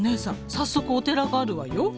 早速お寺があるわよ。